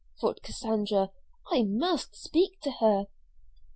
thought Cassandra. "I must speak to her."